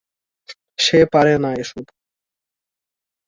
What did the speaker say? সে পারেনা এসব।